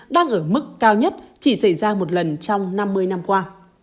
đang ở mức cao nhất chỉ xảy ra một lần trong năm mươi năm qua